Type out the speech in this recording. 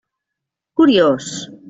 Curiós.